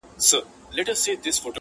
عمر ځکه ډېر کوي چي پوه په کار دی-